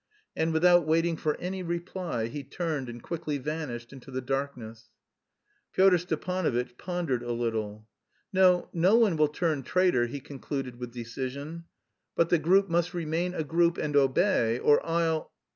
And without waiting for any reply he turned and quickly vanished into the darkness. Pyotr Stepanovitch pondered a little. "No, no one will turn traitor," he concluded with decision, "but the group must remain a group and obey, or I'll...